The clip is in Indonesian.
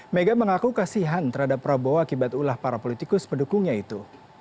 mega mengaku kasihan terhadap prabowo akibat ulah para politikus pendukungnya itu